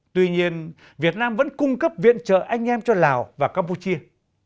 tuy nhiên việt nam vẫn cung cấp viện trợ anh em cho lào và campuchia